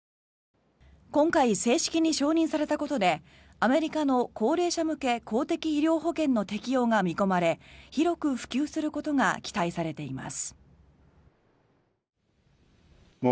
今回正式に承認されたことでアメリカの高齢者向け公的医療保険の適用が見込まれ広く普及することが期待されています。